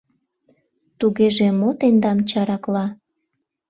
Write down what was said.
— Тугеже мо тендам чаракла?